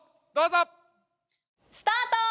スタート！